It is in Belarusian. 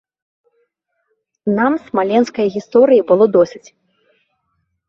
Нам смаленскай гісторыі было досыць.